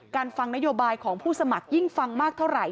ฟังนโยบายของผู้สมัครยิ่งฟังมากเท่าไหร่